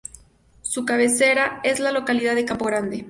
Su cabecera es la localidad de Campo Grande.